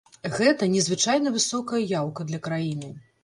Гэта незвычайна высокая яўка для краіны.